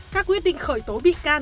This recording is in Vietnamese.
các quyết định khởi tố bị can